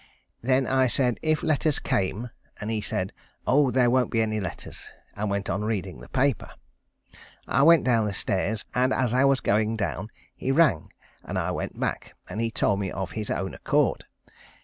Then I said, if letters came, and he said: "Oh! there won't be any letters," and went on reading the paper. I went down stairs, and as I was going down he rang, and I went back, and he told me of his own accord.